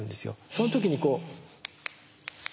そのときにこう。